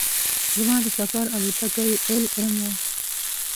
زما د سفر الوتکه کې ایل ایم وه.